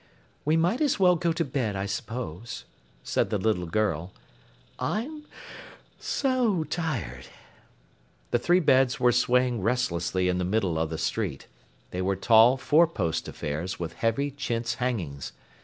"We might as well go to bed, I 'spose," said the little girl. "I'm so tired!" The three beds were swaying restlessly in the middle of the street. They were tall, four post affairs with heavy chintz hangings.